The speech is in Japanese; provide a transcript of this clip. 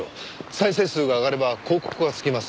再生数が上がれば広告がつきます。